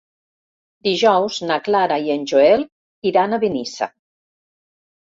Dijous na Clara i en Joel iran a Benissa.